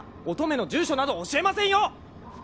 乙女の住所など教えませんよ！